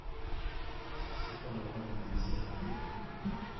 Si cependant vous désiriez...